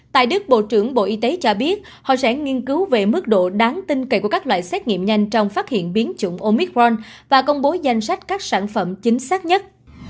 tại đức bộ trưởng bộ y tế cho biết họ sẽ nghiên cứu về mức độ đáng tin cậy của các loại xét nghiệm nhanh trong phát hiện biến chủng omicron và công bố danh sách các sản phẩm chính xác nhất